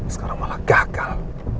sekarang malah gagal